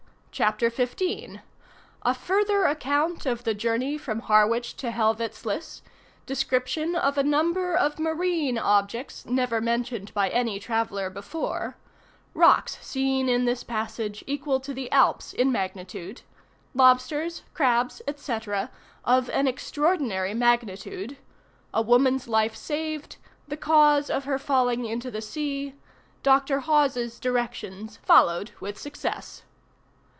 _ CHAPTER XV _A further account of the journey from Harwich to Helvoetsluys Description of a number of marine objects never mentioned by any traveller before Rocks seen in this passage equal to the Alps in magnitude; lobsters, crabs, &c., of an extraordinary magnitude A woman's life saved The cause of her falling into the sea Dr. Hawes' directions followed with success.